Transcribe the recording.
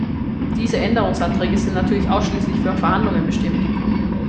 Diese Änderungsanträge sind natürlich ausschließlich für Verhandlungen bestimmt.